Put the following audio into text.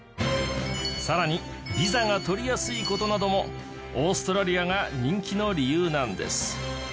更にビザが取りやすい事などもオーストラリアが人気の理由なんです。